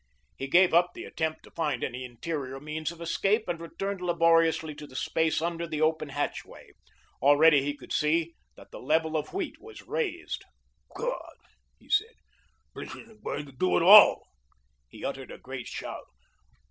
He gave up the attempt to find any interior means of escape and returned laboriously to the space under the open hatchway. Already he could see that the level of the wheat was raised. "God," he said, "this isn't going to do at all." He uttered a great shout.